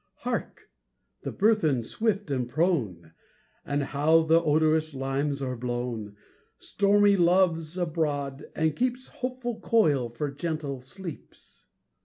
Hark! the burthen, swift and prone! And how the odorous limes are blown! Stormy Love's abroad, and keeps Hopeful coil for gentle sleeps.